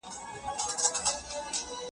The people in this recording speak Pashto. چې چا ته چا سجده ونهکړه؟